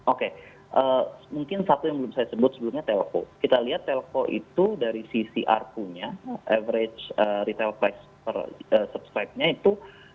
oke mungkin satu yang belum saya sebut sebelumnya telco kita lihat telco itu dari sisi rku nya average retail price nya itu